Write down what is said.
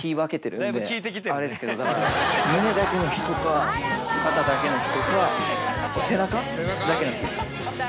胸だけの日とか肩だけの日とかあと背中だけの日。